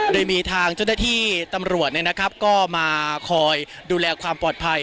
โดยมีทางเจ้าหน้าที่ตำรวจก็มาคอยดูแลความปลอดภัย